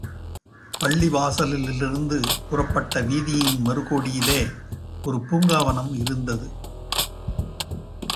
பள்ளி வாசலிலிருந்து புறப்பட்ட வீதியின் மறுகோடியிலே ஒரு பூங்காவனம் இருந்தது.